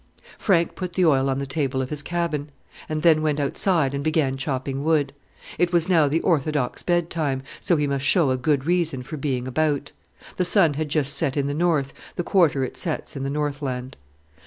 Frank put the oil on the table of his cabin, and then went outside and began chopping wood. It was now the orthodox bed time, so he must show a good reason for being about. The sun had just set in the north, the quarter it sets in the Northland.